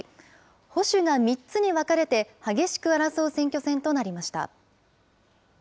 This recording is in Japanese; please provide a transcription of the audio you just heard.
保守が３つに分かれて激しく争う選挙戦となりました。